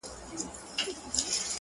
• نن پخپله د ښکاري غشي ویشتلی ,